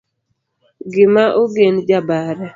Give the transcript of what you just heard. gima ogen jabare